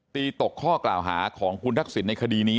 ตกข้อกล่าวหาของคุณทักษิณในคดีนี้